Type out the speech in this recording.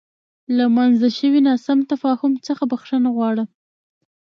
له رامنځته شوې ناسم تفاهم څخه بخښنه غواړم.